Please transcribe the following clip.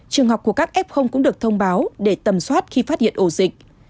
trường học của các f cũng được thông báo để tầm soát khi phát hiện ổ dịch